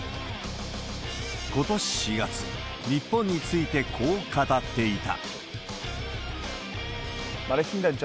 ことし４月、日本についてこう語っていた。